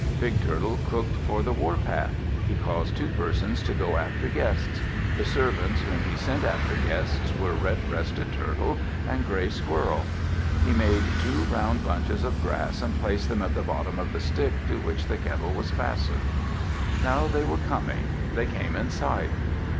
Big Turtle cooked for the warpath. He caused two persons to go after guests. The servants whom he sent after guests were Redbreasted Turtle and Gray Squirrel. He made two round bunches of grass and placed them at the bottom of the stick to which the kettle was fastened. Now they were coming. They came in sight.